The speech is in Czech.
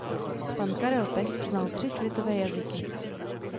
Pan Karel Pech znal tři světové jazyky.